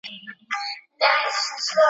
له انټرنيټ څخه د زده کړي لپاره ګټه واخلئ.